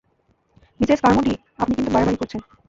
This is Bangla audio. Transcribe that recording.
মিসেস কার্মোডি, আপনি কিন্তু বাড়াবাড়ি করছেন!